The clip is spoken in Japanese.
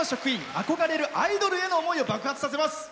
憧れるアイドルへの思いを爆発させます。